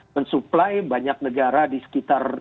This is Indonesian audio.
mensuplai banyak negara di sekitar